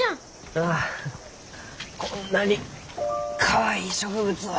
ああこんなにかわいい植物を。